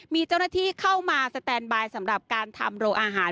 มีเจ้าหน้าที่เข้ามาสแตนบายสำหรับการทำโรงอาหาร